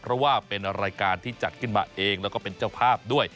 เพราะว่าเป็นรายการที่จัดขึ้นมาเองแล้วก็เป็นเจ้าภาพด้วย